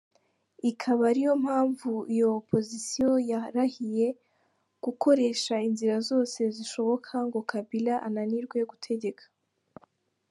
Ikaba ariyo mpamvu iyo opozisiyo yarahiye gukoresha inzira zose zishoboka ngo Kabila ananirwe gutegeka.